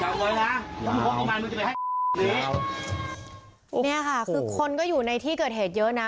เนี่ยค่ะคือคนก็อยู่ในที่เกิดเหตุเยอะนะ